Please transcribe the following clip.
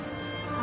あ。